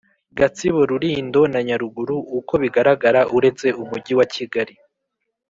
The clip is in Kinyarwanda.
Gatsibo Rulindo na Nyaruguru Uko bigaragara uretse Umujyi wa Kigali